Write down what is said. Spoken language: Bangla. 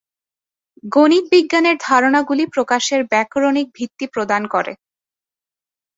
গণিত বিজ্ঞানের ধারণাগুলি প্রকাশের ব্যাকরণিক ভিত্তি প্রদান করে।